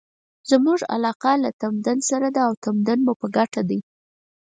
زموږ علاقه له تمدن سره ده او تمدن مو په ګټه دی.